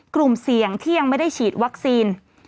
กลุ่มเสี่ยงที่ยังไม่ได้ฉีดวัคซีน